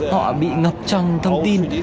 họ bị ngập trong thông tin